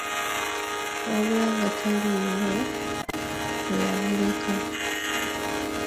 Wabula nga taliiwo we yamuleka.